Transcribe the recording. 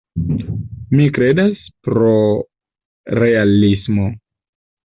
Mi kredas pro realismo.